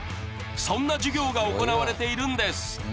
そんな授業が行われているんです。